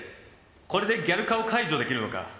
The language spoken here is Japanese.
これでギャル化を解除できるのか。